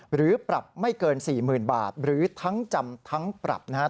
หรือปรับไม่เกิน๔๐๐๐บาทหรือทั้งจำทั้งปรับนะครับ